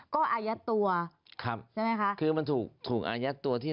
ก็อายุตัว